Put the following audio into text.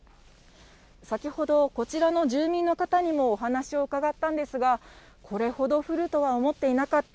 先ほど、こちらの住人の方にもお話を伺ったんですが、これほど降るとは思っていなかった。